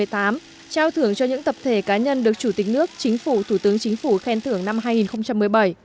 trao thưởng cho những tập thể cá nhân được chủ tịch nước chính phủ thủ tướng chính phủ khen thưởng năm hai nghìn một mươi bảy